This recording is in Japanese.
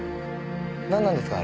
なんなんですか？